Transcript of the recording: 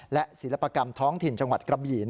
และศิลปกรรมท้องถิ่นจังหวัดกระบี่